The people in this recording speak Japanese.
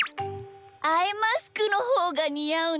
アイマスクのほうがにあうんじゃない？